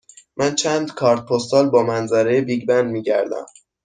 من چند کارت پستال با منظره بیگ بن می گردم.